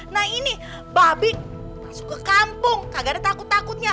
nah ini babi masuk ke kampung agar takut takutnya